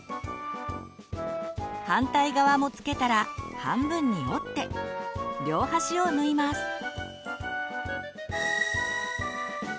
反対側もつけたら半分に折って両端を縫います。